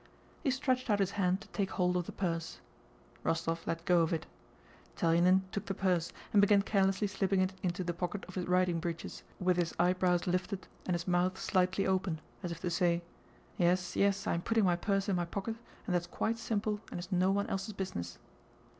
He stretched out his hand to take hold of the purse. Rostóv let go of it. Telyánin took the purse and began carelessly slipping it into the pocket of his riding breeches, with his eyebrows lifted and his mouth slightly open, as if to say, "Yes, yes, I am putting my purse in my pocket and that's quite simple and is no one else's business."